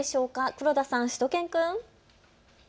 黒田さん、しゅと犬くん。